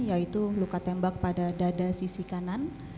yaitu luka tembak pada dada sisi kanan